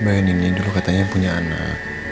bayi ini dulu katanya punya anak